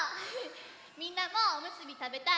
みんなもおむすびたべたい？